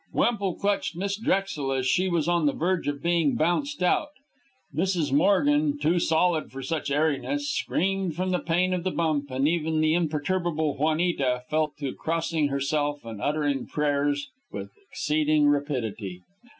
Wemple clutched Miss Drexel as she was on the verge of being bounced out. Mrs. Morgan, too solid for such airiness, screamed from the pain of the bump; and even the imperturbable Juanita fell to crossing herself and uttering prayers with exceeding rapidity.